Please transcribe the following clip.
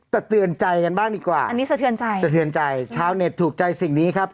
สเตือนใจกันบ้างดีกว่าสเตือนใจชาวเน็ตถูกใจสิ่งนี้ครับ